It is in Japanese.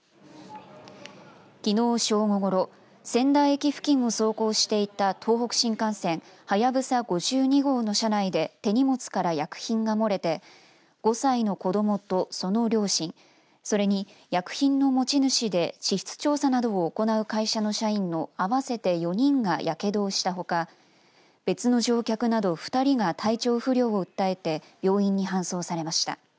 きのう正午ごろ仙台駅付近を走行していた東北新幹線はやぶさ５２号の車内で手荷物から薬品が漏れて５歳の子どもとその両親それに薬品の持ち主で地質調査などを行う会社の社員の合わせて４人がやけどをしたほか別の乗客など２人が体調不良を訴えて病院に搬送されました。